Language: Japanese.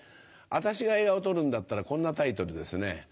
私が映画を撮るんだったらこんなタイトルですね。